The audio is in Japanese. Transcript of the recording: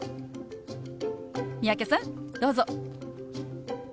三宅さんどうぞ。